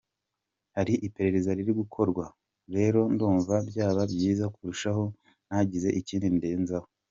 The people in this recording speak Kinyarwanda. Hari iperereza riri gukorwa, rero ndumva byaba byiza kurushaho ntagize ikindi ndenzaho".